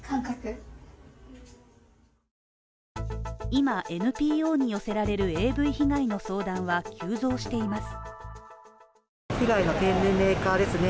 今ＮＰＯに寄せられるＡＶ被害の相談は急増しています。